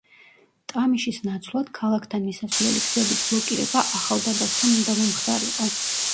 ტამიშის ნაცვლად, ქალაქთან მისასვლელი გზების ბლოკირება ახალდაბასთან უნდა მომხდარიყო.